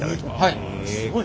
はい。